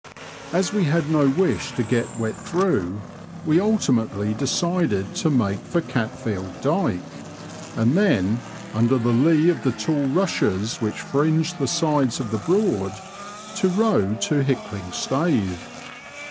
As we had no wish to get wet through, we ultimately decided to make for Oatfield Dyke, and then, under the lee of the tall rushes which fringe the sides of the Broad, to row to Hickling Staithe.